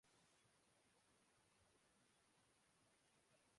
میں نے تمہیں پہچانا نہیں